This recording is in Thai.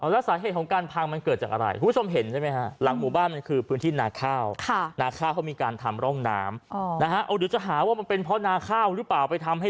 แล้วสาเหตุของการพังมันเกิดจากอะไรคุณผู้ชมเห็นใช่ไหมฮะหลังหมู่บ้านมันคือพื้นที่นาข้าวนาข้าวเขามีการทำร่องน้ำนะฮะ